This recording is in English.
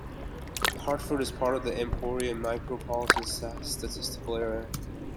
Hartford is part of the Emporia Micropolitan Statistical Area.